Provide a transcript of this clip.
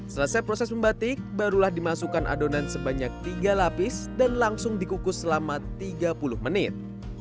selesai proses membatik barulah dimasukkan adonan sebanyak tiga lapis dan langsung dikukus selama tiga puluh menit